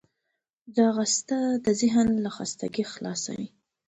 ځغاسته د ذهن له خستګي خلاصوي